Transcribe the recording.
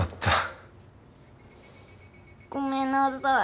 ごめんなさい。